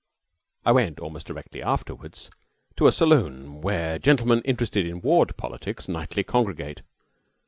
I went almost directly afterward to a saloon where gentlemen interested in ward politics nightly congregate.